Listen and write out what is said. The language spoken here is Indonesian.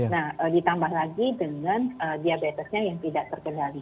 nah ditambah lagi dengan diabetesnya yang tidak terkendali